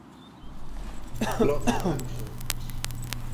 Lots of action.